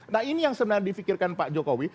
nah ini yang sebenarnya difikirkan pak jokowi